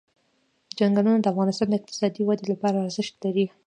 چنګلونه د افغانستان د اقتصادي ودې لپاره ارزښت لري.